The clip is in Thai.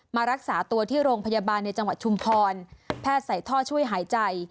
มารักษาตัวที่โรงพยาบาลในจังหวัดชุมพรแพทย์ใส่ท่อช่วยหายใจ